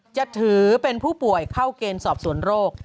จะถือเป็นผู้ป่วยเข้าเกณฑ์สอบสวนโรค